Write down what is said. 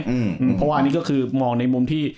เพราะว่าอันนี้ก็คือมองในมุมที่